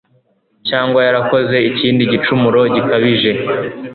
cyangwa yarakoze ikindi gicumuro gikabije